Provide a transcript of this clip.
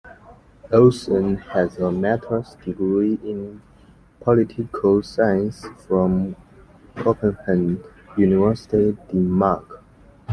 Olsen has a master's degree in political science from Copenhagen University, Denmark.